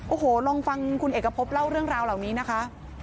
โอ้โหลองฟังคุณเอกพบเล่าเรื่องราวเหล่านี้นะคะ